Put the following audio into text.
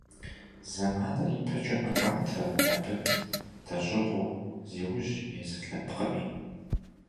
Зэманыр ипэкӀэ мэкӀуатэ, абы дэщӀыгъуу зеужь езы лъэпкъми.